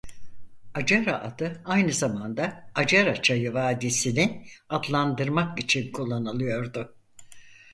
Acara adı aynı zamanda Acara Çayı vadisini adlandırmak için kullanılıyordu.